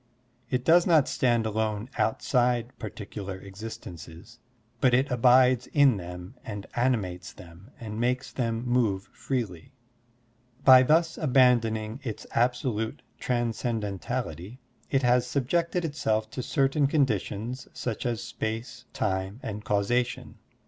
It does not stand alone outside particular existences, but it abides in them and animates them and makes them move freely. By thus abandoning it$ absolute transcejidentality, it Digitized by Google 66 SERMONS OF A BUDDHIST ABBOT has subjected itself to certain conditions such as space, time, and causation.